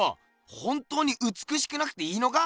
本当にうつくしくなくていいのか？